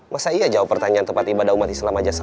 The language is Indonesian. masa iya jawab pertanyaan tempat ibadah umat islam aja